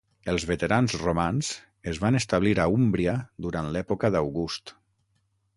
Els veterans romans es van establir a Úmbria durant l'època d'August.